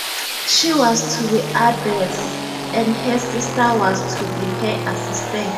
She was to be abbess and her sister was to be her assistant.